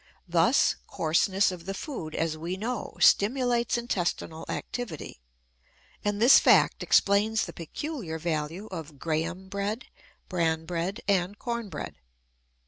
Thus, coarseness of the food, as we know, stimulates intestinal activity, and this fact explains the peculiar value of Graham bread, bran bread, and corn bread.